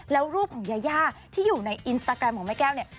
แล้วรูปของยาย่าที่อยู่ในอินสตาแกรมของแม่แก้วเนี่ย